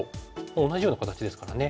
同じような形ですからね。